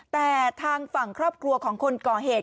แต่ทางฝั่งครอบครัวของคนก่อเหตุ